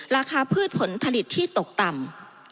พืชผลผลิตที่ตกต่ำ